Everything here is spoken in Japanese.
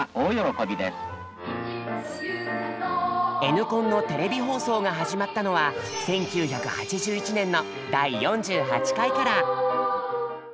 「Ｎコン」のテレビ放送が始まったのは１９８１年の第４８回から。